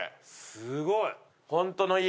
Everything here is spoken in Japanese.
すごい！